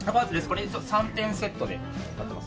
これ一応３点セットになってます。